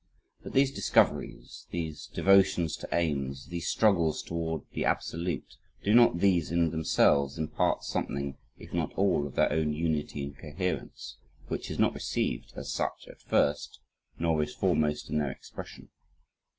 But these discoveries, these devotions to aims, these struggles toward the absolute, do not these in themselves, impart something, if not all, of their own unity and coherence which is not received, as such, at first, nor is foremost in their expression.